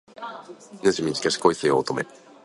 命短し恋せよ乙女